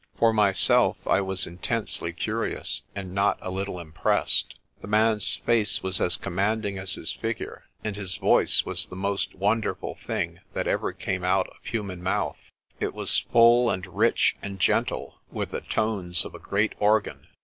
For myself I was intensely curious, and not a little im pressed. The man's face was as commanding as his figure, and his voice was the most wonderful thing that ever came out of human mouth. It was full and rich and gentle, with the tones of a great organ.